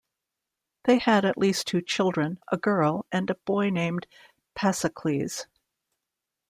They had at least two children, a girl, and a boy named Pasicles.